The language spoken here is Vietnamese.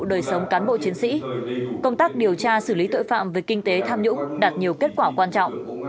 đời sống cán bộ chiến sĩ công tác điều tra xử lý tội phạm về kinh tế tham nhũng đạt nhiều kết quả quan trọng